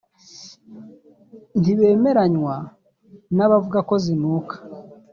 ntibemeranywa n’abavuga ko zinuka